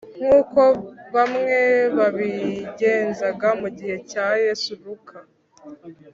Nk uko bamwe babigenzaga mu gihe cya yesu luka